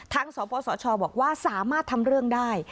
สปสชบอกว่าสามารถทำเรื่องได้